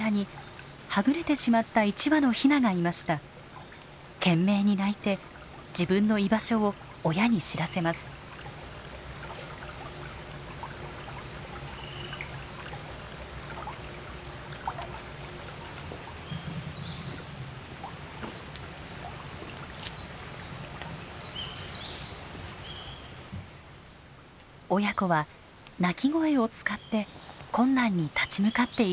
親子は鳴き声を使って困難に立ち向かっていくのです。